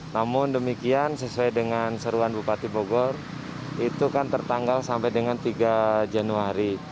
namun demikian sesuai dengan seruan bupati bogor itu kan tertanggal sampai dengan tiga januari